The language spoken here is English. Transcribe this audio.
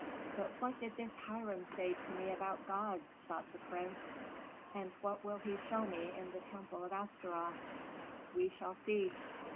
"But what did this Hiram say to me about gods?" thought the prince. "And what will he show me in the temple of Astaroth? We shall see."